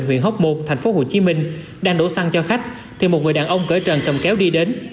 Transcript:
huyện hóc một tp hcm đang đổ xăng cho khách thì một người đàn ông cỡ trần cầm kéo đi đến